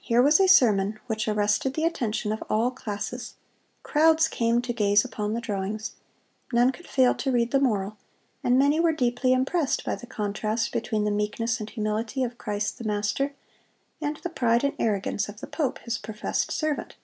Here was a sermon which arrested the attention of all classes. Crowds came to gaze upon the drawings. None could fail to read the moral, and many were deeply impressed by the contrast between the meekness and humility of Christ the Master, and the pride and arrogance of the pope, His professed servant.